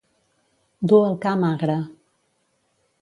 Dur el ca magre.